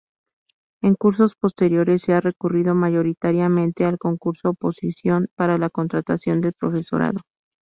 En cursos posteriores se ha recurrido, mayoritariamente, al concurso-oposición para la contratación del profesorado.